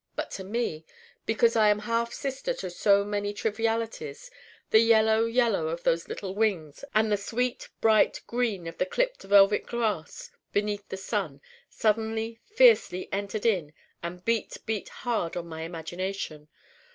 But to me because I am half sister to so many trivialities the Yellow Yellow of those little wings and the sweet bright Green of the clipped velvet Grass beneath the sun suddenly fiercely entered in and beat beat hard on my imagination.